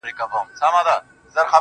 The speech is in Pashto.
صبر د بریا کلید دی.